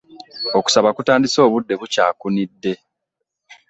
Okusaba kutandise obudde bukyakunidde.